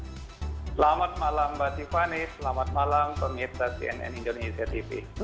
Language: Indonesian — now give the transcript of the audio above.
selamat malam mbak tiffany selamat malam pemirsa cnn indonesia tv